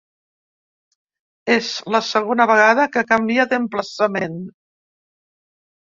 És la segona vegada que canvia d’emplaçament.